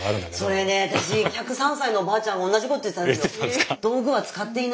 それね私１０３歳のおばあちゃんも同じこと言ってたんですよ。